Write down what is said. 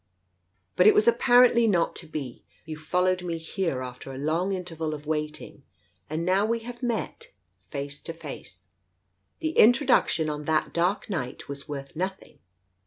But it was apparently not to be. You fol lowed me here, after a long interval of waiting, and now we have met, face to face. The introduction on that dark night was worth nothing.